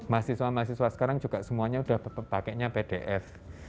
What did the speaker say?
mahasiswa mahasiswa sekarang juga semuanya sudah pakainya pdf